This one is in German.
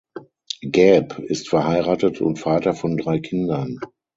Gäb ist verheiratet und Vater von drei Kindern.